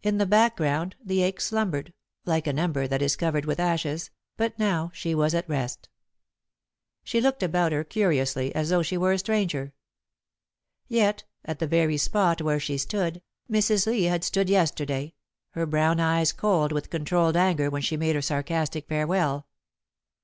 In the background the ache slumbered, like an ember that is covered with ashes, but now she was at rest. She looked about her curiously, as though she were a stranger. Yet, at the very spot where she stood, Mrs. Lee had stood yesterday, her brown eyes cold with controlled anger when she made her sarcastic farewell.